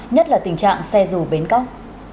nhất là tình trạng xe rù bến cóc